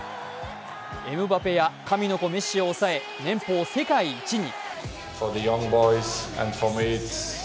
エムバペや神の子メッシを抑え、年俸世界一に。